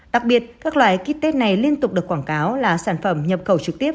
đặc biệt các loại kết test này liên tục được quảng cáo là sản phẩm nhập cầu trực tiếp